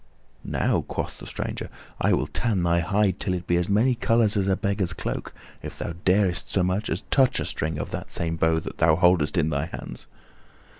"Now," quoth the stranger, "I will tan thy hide till it be as many colors as a beggar's cloak, if thou darest so much as touch a string of that same bow that thou holdest in thy hands."